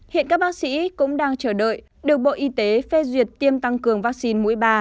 hiện các bác sĩ cũng đang chờ đợi được bộ y tế phê duyệt tiêm tăng cường vaccine mũi ba